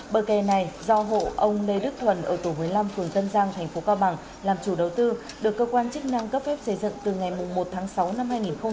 bờ kè này do hộ ông lê đức thuần ở tổ một mươi năm phường tân giang thành phố cao bằng làm chủ đầu tư được cơ quan chức năng cấp phép xây dựng từ ngày một tháng sáu năm hai nghìn một mươi bảy